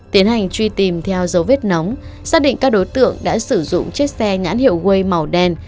tiến hành truy tìm theo dấu vết nóng xác định các đối tượng đã sử dụng chiếc xe nhãn hiệu way màu đen